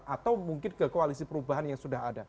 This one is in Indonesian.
atau mungkin ke koalisi perubahan yang sudah ada